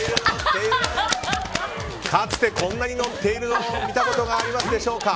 かつてこんなに乗っているのを見たことがありますでしょうか。